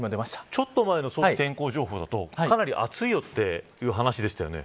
ちょっと前の天候情報だとかなり暑いよという話でしたよね。